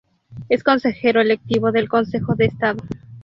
Es consejero electivo del Consejo de Estado.